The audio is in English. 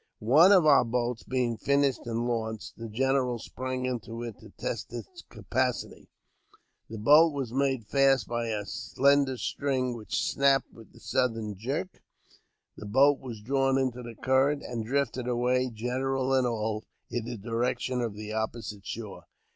One of our boats being finished and launched, the general sprang into it to test its capacity. The boat was made fast by a slender string, which snapping with the sudden jerk, the boat was drawn into the current and drifted away, general and all, in the direction of the opposite shore.